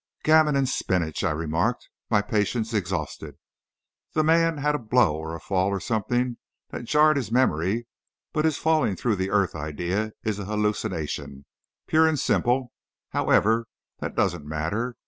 "Gammon and spinach!" I remarked, my patience exhausted; "the man had a blow or a fall or something that jarred his memory, but his 'falling through the earth' idea is a hallucination, pure and simple. However, that doesn't matter.